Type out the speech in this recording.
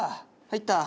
入った！